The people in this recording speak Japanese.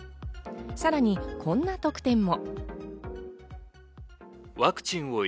さらにこんな特典も。